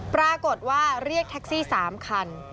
ปรากฏว่าเรียกแท็กซี่๓คัน